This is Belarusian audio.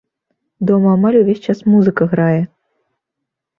Дома амаль увесь час музыка грае.